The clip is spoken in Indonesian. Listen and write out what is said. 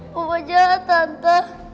papa jahat tante